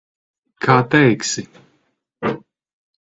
Kā teiksi.